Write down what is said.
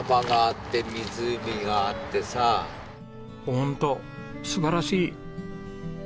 ホント素晴らしい。